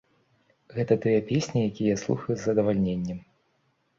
Гэта тыя песні, якія я слухаю з задавальненнем.